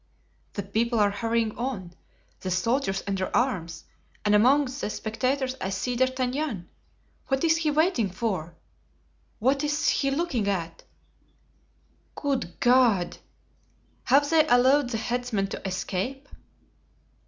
"The people are hurrying on, the soldiers under arms, and among the spectators I see D'Artagnan. What is he waiting for? What is he looking at? Good God! have they allowed the headsman to escape?"